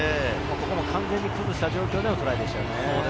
完全に崩した状況でのトライがありました。